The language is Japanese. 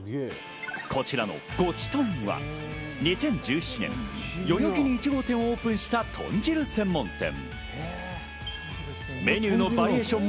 こちらのごちとんは２０１７年、代々木１号店をオープンしたとん汁専門店。